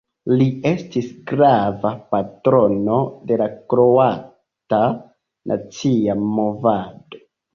Li estis grava patrono de la kroata nacia movado.